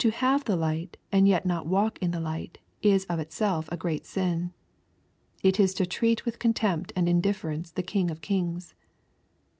To have the light and yet not walk in the light, is of itself a great sin. It is to treat with contempt and indifference the. King of kings.